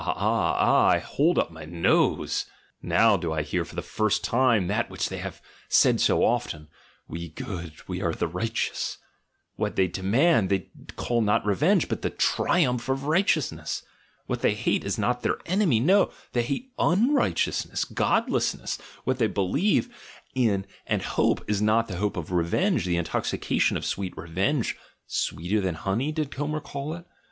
ah! ah! and I hold my nose). Now do I hear for the first time that which they have said so often: 'We good, we are the righteous' — what they demand they call not revenge but f the triumph of righteousness' ; what they hate is not their enemy, no, they hate 'unrighteousness,' 'godless ness'; what they believe in and hope is not the hope of revenge, the intoxication of sweet revenge (— "sweeter than honey," did Homer call it?)